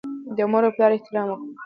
د مور او پلار احترام وکړئ.